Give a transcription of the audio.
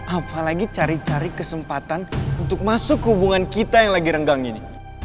apalagi cari cari kesempatan untuk masuk hubungan kita yang lagi renggang ini